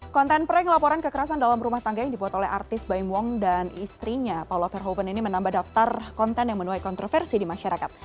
konten prank laporan kekerasan dalam rumah tangga yang dibuat oleh artis baim wong dan istrinya paula verhoeven ini menambah daftar konten yang menuai kontroversi di masyarakat